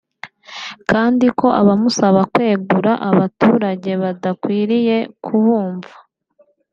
kandi ko abamusaba kwegura abaturage badakwiriye kubumva